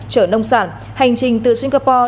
trở nông sản hành trình từ singapore